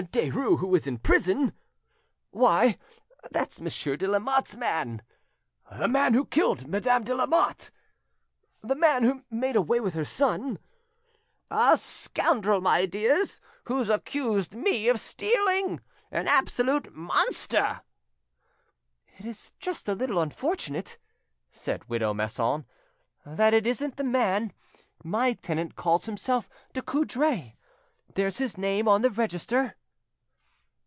Derues who is in Prison?" "Why, that's Monsieur de Lamotte's man." "The man who killed Madame de Lamotte?" "The man who made away with her son?" "A scoundrel, my dears, who accused me of stealing, an absolute monster!" "It is just a little unfortunate," said widow Masson, "that it isn't the man. My tenant calls himself Ducoudray. There's his name on the register."